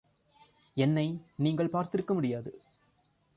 என்னை நீங்கள் பார்த்திருக்க முடியாது.